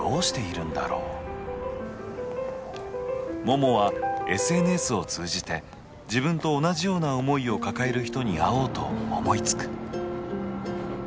ももはＳＮＳを通じて自分と同じような思いを抱える人に会おうと思いつく。